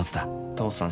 父さん